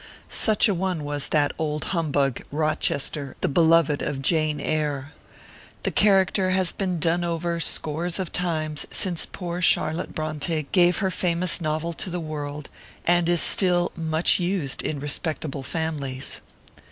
Such a one was that old humbug, Rochester, the beloved of " Jane Eyre." The character has been done over scores of times since poor Charlotte Bronte gave her famous novel to the world, and is still "much used in respectable families."